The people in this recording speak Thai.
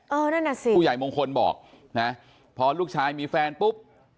นั่นน่ะสิผู้ใหญ่มงคลบอกนะพอลูกชายมีแฟนปุ๊บ